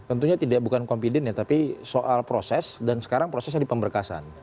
tentunya bukan confident ya tapi soal proses dan sekarang prosesnya di pemberkasan